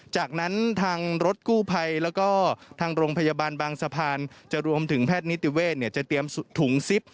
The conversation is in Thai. จากนั้นทางรถกู้ภัยแล้วก็ทางโรงพยาบาลบางสะพานจะรวมถึงแพทย์นิติเวศจะเตรียมถุงซิป